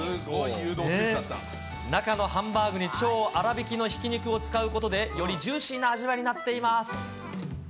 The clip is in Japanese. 中のハンバーグに超粗びきのひき肉を使うことで、よりジューシーな味わいになっています。